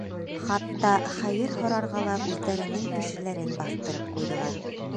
Хатта хәйер һорарға ла үҙҙәренең кешеләрен баҫтырып ҡуйҙылар.